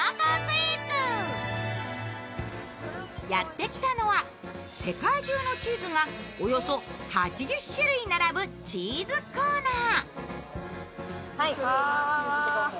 やってきたのは、世界中のチーズがおよそ８０種類並ぶチーズコーナー。